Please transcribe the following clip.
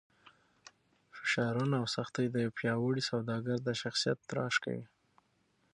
فشارونه او سختۍ د یو پیاوړي سوداګر د شخصیت تراش کوي.